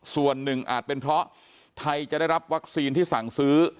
ส่วนหนึ่งอาจเป็นเพราะไทยจะได้รับวัคซีนที่สั่งซื้อ